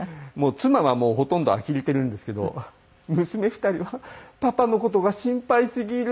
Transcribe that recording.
妻はもうほとんどあきれてるんですけど娘２人はパパの事が心配すぎる！って言ってくれます。